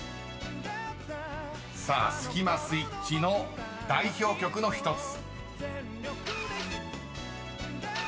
［さあスキマスイッチの代表曲の１つ］